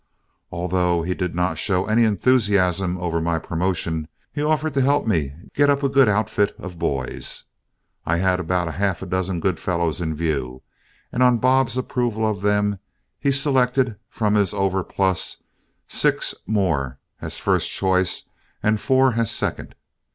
Although he did not show any enthusiasm over my promotion, he offered to help me get up a good outfit of boys. I had about half a dozen good fellows in view, and on Bob's approval of them, he selected from his overplus six more as first choice and four as second.